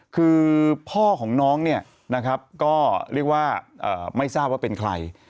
คือพ่อของน้องเนี่ยนะครับก็เรียกว่าไม่ทราบว่าเป็นใคร